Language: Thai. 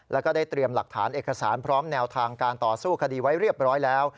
แล้วก็ได้เตรียมหลักฐานเอกสารพร้อมแนวทางการต่อสู้คดีไว้เรียบร้อยแล้ว